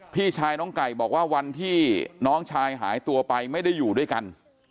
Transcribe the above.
พี่ชายน้องไก่บอกว่าวันที่น้องชายหายตัวไปไม่ได้อยู่ด้วยกัน